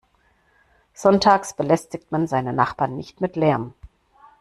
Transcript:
Sonntags belästigt man seine Nachbarn nicht mit Lärm.